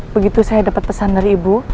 begitu saya dapat pesan dari ibu